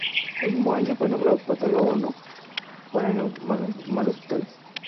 El mismo año, fue nombrado patólogo para la Inclusa Montreal y Hospitales.